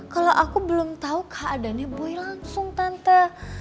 kalau aku belum tahu keadaannya bui langsung tante